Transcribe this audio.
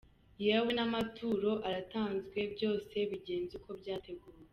Yewe n’amaturo aratanzwe, byose bigenze uko byateguwe.